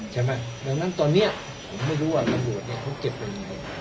ใช่ไหมดังนั้นตอนเนี้ยผมไม่รู้ว่าตำลวดเนี้ยเขาเก็บเป็นยังไง